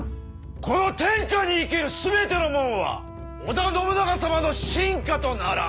この天下に生きる全てのもんは織田信長様の臣下とならん！